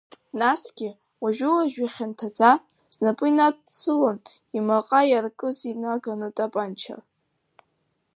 Насгьы, уажәы-уажә ихьанҭаӡа, снапы инадсылон имаҟа иаркыз инаган тапанча.